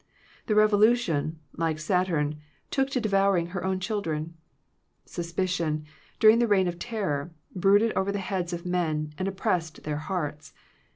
The Revo lution, like Saturn, took to devouring her own children. Suspicion, during the reign of terror, brooded over the heads of men, and oppressed their hearts.